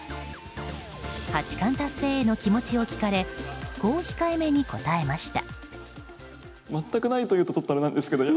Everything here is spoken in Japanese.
八冠達成への気持ちを聞かれこう控えめに答えました。